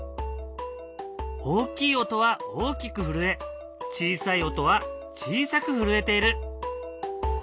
大きい音は大きく震え小さい音は小さく震えている。